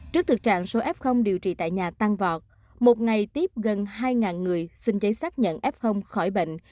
trước thực trạng số f điều trị tại nhà tăng vọt một ngày tiếp gần hai người xin giấy xác nhận f khỏi bệnh